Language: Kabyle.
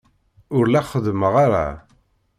Ur la xeddmeɣ ara.